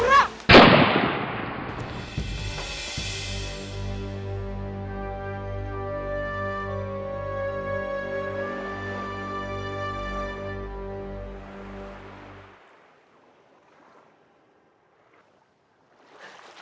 berhenti jangan bergerak